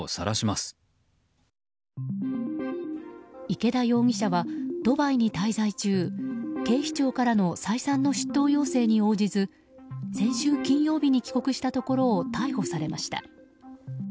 池田容疑者はドバイに滞在中警視庁からの再三の出頭要請に応じず先週金曜日に帰国したところを逮捕されました。